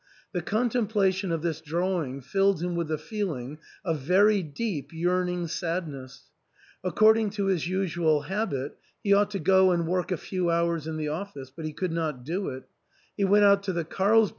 The contem plation of this drawing filled him with a feeling of very deep yearning sadness. According to his usual habit, he ought to go and work a few hours in the office ; but he could not do it ; he went out to the Carlsberg *' A hill to the north west of